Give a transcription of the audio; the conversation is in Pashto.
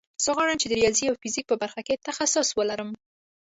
زه غواړم چې د ریاضي او فزیک په برخه کې تخصص ولرم